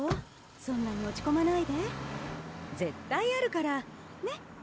そんなに落ちこまないで絶対あるからねっ？